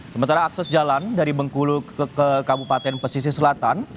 sementara akses jalan dari bengkulu ke kabupaten pesisir selatan